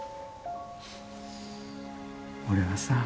俺はさ